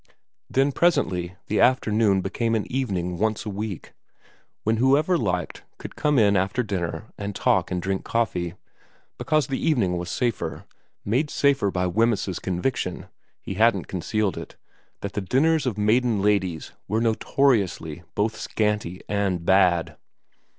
Then presently the after noon became an evening once a week, when whoever liked could come in after dinner and talk and drink coffee, because the evening was safer ; made safe by Wemyss's conviction he hadn't concealed it that the dinners of maiden ladies were notoriously both scanty and bad.